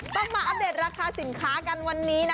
ต้องมาอัปเดตราคาสินค้ากันวันนี้นะ